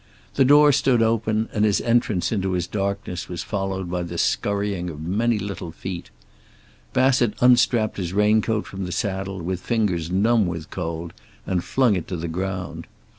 The door stood open, and his entrance into its darkness was followed by the scurrying of many little feet. Bassett unstrapped his raincoat from the saddle with fingers numb with cold, and flung it to the ground.